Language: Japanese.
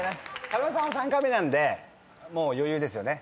狩野さんは３回目なんでもう余裕ですよね。